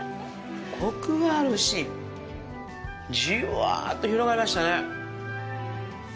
コクがあるし、ジュワッと広がりましたね！